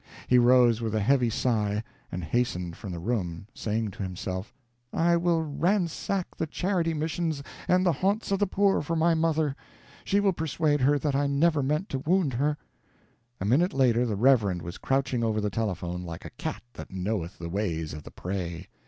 He rose with a heavy sigh, and hastened from the room, saying to himself, "I will ransack the charity missions and the haunts of the poor for my mother. She will persuade her that I never meant to wound her." A minute later the Reverend was crouching over the telephone like a cat that knoweth the ways of the prey.